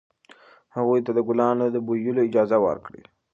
هغوی ته د ګلانو د بویولو اجازه ورکړئ.